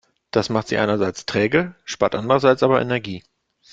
Das macht sie einerseits träge, spart andererseits aber Energie.